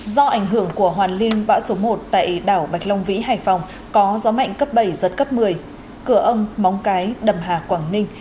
do ảnh hưởng của hoàn lưu bão số một tại đảo bạch long vĩ hải phòng có gió mạnh cấp bảy giật cấp một mươi cửa âm móng cái đầm hà quảng ninh